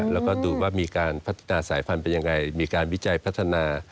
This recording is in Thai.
แล้วก็ดูว่ามีการพัฒนาสายพันธุ์เป็นยังไงมีการวิจัยพัฒนา